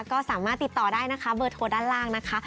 ก็สามารถติดต่อได้นะคะเบอร์โทรด้านล่างนะคะ